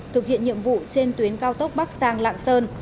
thực hiện nhiệm vụ trên tuyến cao tốc bắc giang lạng sơn